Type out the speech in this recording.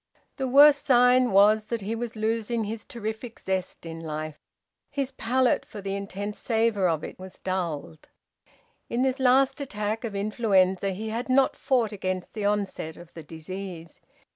The worst sign was that he was losing his terrific zest in life; his palate for the intense savour of it was dulled. In this last attack of influenza he had not fought against the onset of the disease.